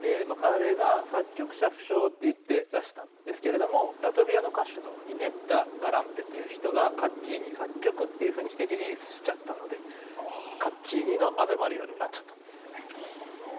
彼が作曲者不詳っていって出したんですけれどもラトビアの歌手のイネッサ・ガランテという人がカッチーニ作曲というふうにしてリリースしちゃったので『カッチーニのアヴェ・マリア』になっちゃったんですね。